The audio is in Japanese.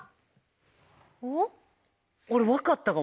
おっ？